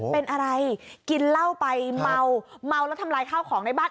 เป็นอะไรกินเหล้าไปเมาเมาแล้วทำลายข้าวของในบ้าน